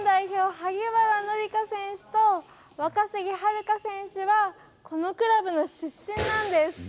萩原紀佳選手と若杉遥選手はこのクラブの出身なんです。